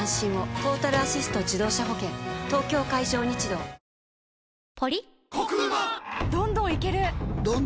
トータルアシスト自動車保険東京海上日動極秘結婚式！？